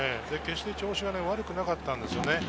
決して調子が悪くなかったんですよね。